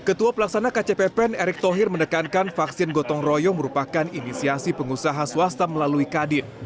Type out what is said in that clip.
ketua pelaksana kcppen erick thohir mendekankan vaksin gotong royong merupakan inisiasi pengusaha